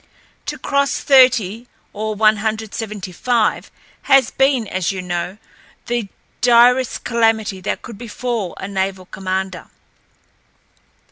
To cross thirty or one hundred seventy five has been, as you know, the direst calamity that could befall a naval commander.